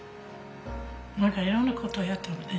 何かいろんなことやったよね。